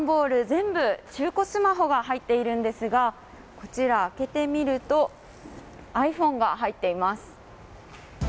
全部、中古スマホが入っているんですがこちら、開けてみると、ｉＰｈｏｎｅが入っています。